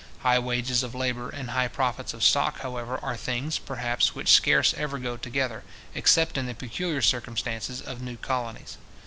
High wages of labour and high profits of stock, however, are things, perhaps, which scarce ever go together, except in the peculiar circumstances of new colonies.